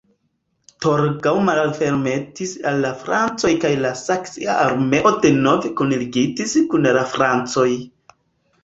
Torgau malfermitis al la francoj kaj la saksia armeo denove kunligitis kun la francoj.